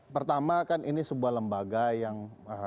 pertama kan ini sebuah lembaga yang